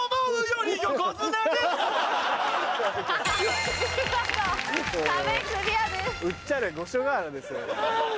『うっちゃれ五所瓦』ですよ。